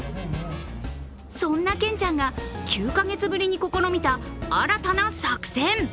そんなケンちゃんが９か月ぶりに試みた新たな作戦。